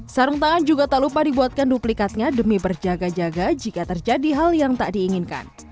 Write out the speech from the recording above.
sarung tangan juga tak lupa dibuatkan duplikatnya demi berjaga jaga jika terjadi hal yang tak diinginkan